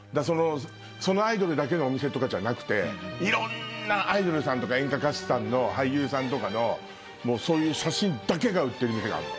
そのアイドルだけのお店とかじゃなくていろんなアイドルさんとか演歌歌手さんの俳優さんのそういう写真だけが売ってる店があんの。